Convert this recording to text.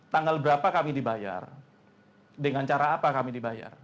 tanggal berapa kami dibayar dengan cara apa kami dibayar